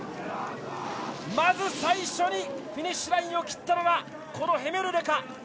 まず最初にフィニッシュラインを切ったのはヘメルレか。